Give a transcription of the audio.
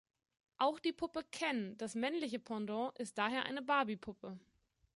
Auch die Puppe "Ken", das männliche Pendant, ist daher eine Barbie-Puppe.